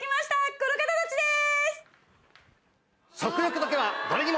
この方たちです！